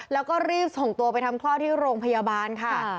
แล้วก็รีบส่งตัวไปทำคลอดที่โรงพยาบาลค่ะ